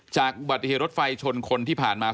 จากอุบัติเหตุรถไฟชนคนที่ผ่านมา